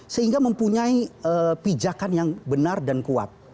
sehingga mempunyai pijakan yang benar dan kuat